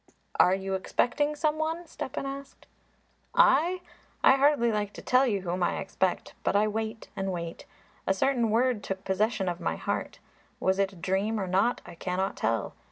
"Are you expecting some one?" Stepan asked. "I? I hardly like to tell you whom I expect. But I wait and wait. A certain word took possession of my heart. Was it a dream or not, I cannot tell.